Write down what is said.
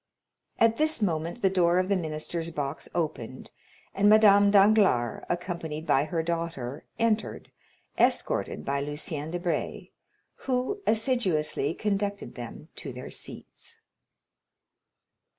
At this moment the door of the minister's box opened, and Madame Danglars, accompanied by her daughter, entered, escorted by Lucien Debray, who assiduously conducted them to their seats.